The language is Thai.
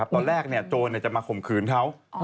ตอนแรกจวนจะมาข่มขึืนเธอ